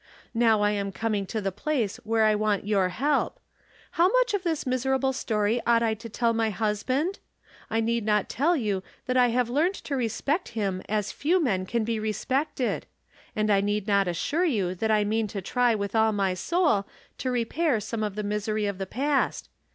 Now I am coming to the place where I want your help. How much of this miserable story ought I to tell my husband ? I need not tell you that I have learned to respect him as few men can be res pected ; and I need not assure you that I mean to try with all my soul to repair some of the mis ery of the past.